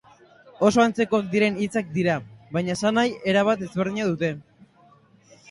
Oso antzekoak diren hitzak dira, baina esanahi erabat ezberdina dute.